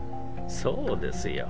そうですよ。